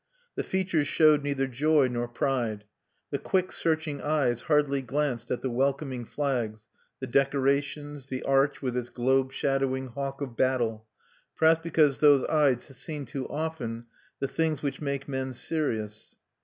The features showed neither joy nor pride; the quick searching eyes hardly glanced at the welcoming flags, the decorations, the arch with its globe shadowing hawk of battle, perhaps because those eyes had seen too often the things which make men serious.